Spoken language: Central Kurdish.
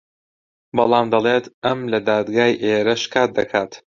بەڵام دەڵێت ئەم لە دادگای ئێرە شکات دەکات